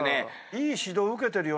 いい指導受けてるよね